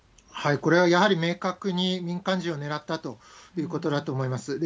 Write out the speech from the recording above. これはやはり明確に民間人を狙ったということだと思います。